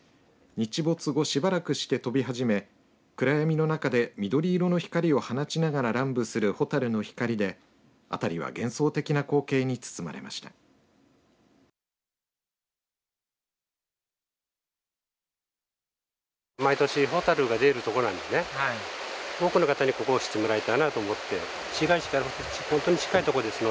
日没後、しばらくして飛び始め暗闇の中で緑色の光を放ちながら乱舞するホタルの光であたりは幻想的な光景に包まれました。